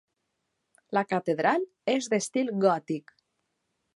La catedral és d'estil gòtic.